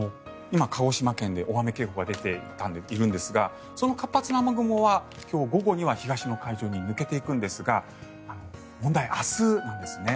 今、鹿児島県で大雨警報が出ているんですがその活発な雨雲は今日午後には東の海上には抜けていくんですが問題は明日なんですね。